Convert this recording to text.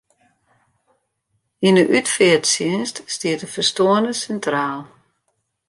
Yn de útfearttsjinst stiet de ferstoarne sintraal.